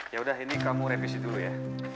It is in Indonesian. ya udah ini kamu revisi dulu ya